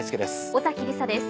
尾崎里紗です。